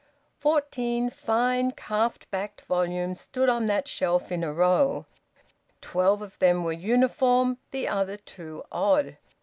Fourteen fine calf backed volumes stood on that shelf in a row; twelve of them were uniform, the other two odd.